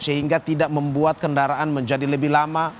sehingga tidak membuat kendaraan menjadi lebih lama